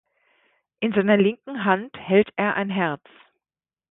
In seiner linken Hand hält er ein Herz.